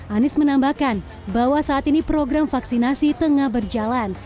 anies menambahkan bahwa saat ini program vaksinasi tengah berjalan